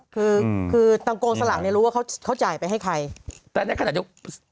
คือคือทางกองสลากเนี่ยรู้ว่าเขาเขาจ่ายไปให้ใครแต่ในขณะเดียวกัน